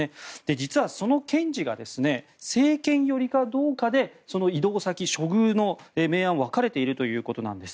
実は、その検事が政権寄りかどうかで異動先、処遇の明暗が分かれているということです。